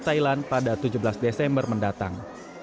thailand pada tujuh belas desember mendatang